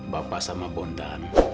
bapak sama bondan